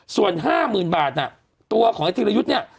ส่วน๕๐๐๐บาทน่ะตัวของไอ้ธีรยุทธ์เนี่ย